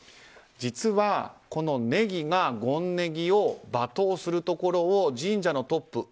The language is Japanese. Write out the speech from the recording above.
実は、この禰宜が権禰宜を罵倒するところを神社のトップ